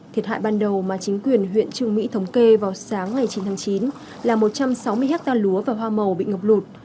thiệt hại ban đầu mà chính quyền huyện trương mỹ thống kê vào sáng ngày chín tháng chín là một trăm sáu mươi hectare lúa và hoa màu bị ngập lụt